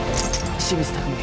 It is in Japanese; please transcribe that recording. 清水拓海